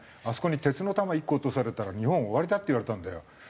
あそこに鉄の弾１個落とされたら日本終わりだって言われたんだよ。